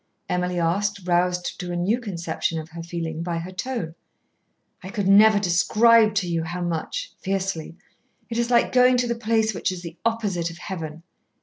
Emily asked, roused to a new conception of her feeling by her tone. "I could never describe to you how much," fiercely. "It is like going to the place which is the opposite of Heaven."